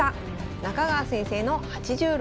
中川先生の８６％